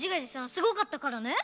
すごかったからね？